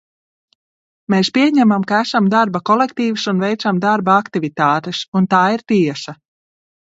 Mēs pieņemam, ka esam darba kolektīvs un veicam darba aktivitātes, un tā ir tiesa.